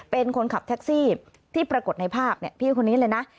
เป็นคนขับแท็กซี่ที่ปรากฏในภาพพี่คนนี้เลยนะ